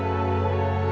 semuanya sudah ada